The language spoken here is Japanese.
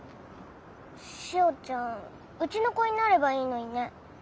しおちゃんうちの子になればいいのにね。